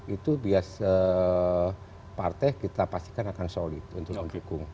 itu biasa partai kita pastikan akan solid untuk mendukung